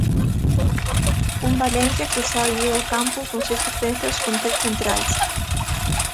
Un Valencia que saíu ao campo con seis defensas, con tres centrais.